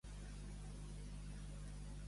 En el culet està la mel.